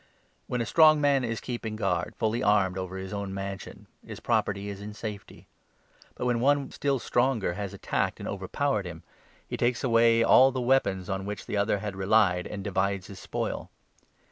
When a strong 21 man is keeping guard, fully armed, over his own mansion, his property is in safety ; but, when one still stronger has attacked 22 and overpowered him, he takes away all the weapons on which the other had relied, and divides his spoil.